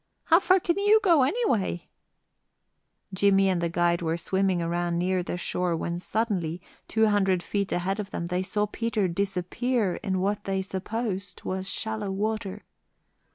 "How far can you go, anyway?" Jimmie and the guide were swimming around near the shore when suddenly, two hundred feet ahead of them, they saw Peter disappear in what they supposed was shallow water.